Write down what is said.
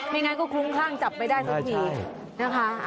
ไม่อย่างนั้นก็คุ้มคร่างจับไปได้ซักทีนะคะ